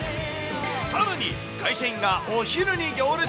さらに、会社員がお昼に行列。